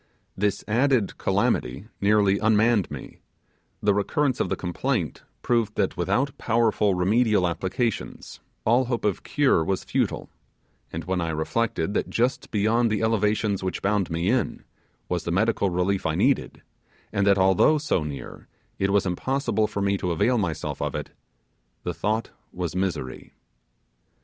This added calamity nearly unmanned me; the recurrence of the complaint proved that without powerful remedial applications all hope of cure was futile; and when I reflected that just beyond the elevations, which bound me in, was the medical relief I needed, and that although so near, it was impossible for me to avail myself of it, the thought was misery.